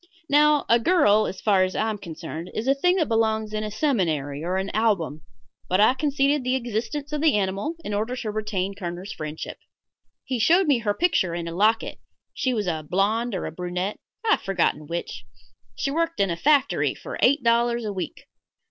Now, a girl, as far as I am concerned, is a thing that belongs in a seminary or an album; but I conceded the existence of the animal in order to retain Kerner's friendship. He showed me her picture in a locket she was a blonde or a brunette I have forgotten which. She worked in a factory for eight dollars a week.